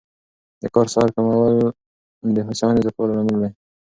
د کار ساعت کمول د هوساینې زیاتوالي لامل دی.